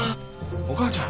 お母ちゃん